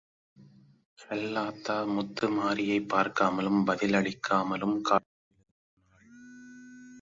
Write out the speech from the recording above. செல்லாத்தா, முத்துமாரியைப் பார்க்காமலும் பதிலளிக்காமலும் காளி கோவிலுக்குப் போனாள்.